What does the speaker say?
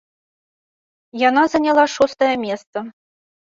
Яна заняла шостае месца.